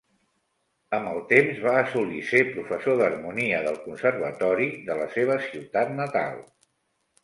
Amb el temps va assolir ser professor d'harmonia del Conservatori de la seva ciutat natal.